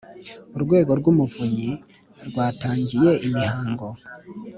urwego rw Umuvunyi rwatangiye imihango